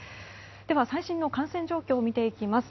では、最新の感染状況を見ていきます。